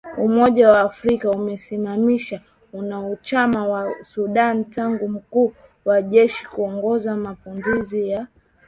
Umoja wa Afrika umeisimamisha uanachama wa Sudan tangu mkuu wa jeshi kuongoza mapinduzi ya Oktoba mwaka elfu mbili ishirini na moja